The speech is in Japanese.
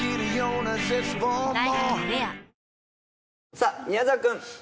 さぁ宮沢君。